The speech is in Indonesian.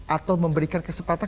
atau memberikan kesempatan